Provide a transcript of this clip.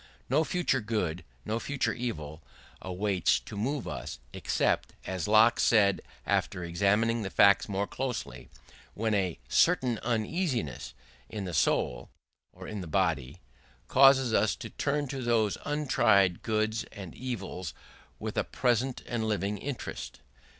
No future good, no future evil avails to move us, except as Locke said after examining the facts more closely when a certain uneasiness in the soul (or in the body) causes us to turn to those untried goods and evils with a present and living interest.